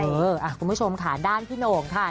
คุณผู้ชมค่ะด้านพี่โหน่งค่ะ